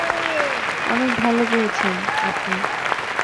অনেক ভালো গেয়েছেন, আপনি।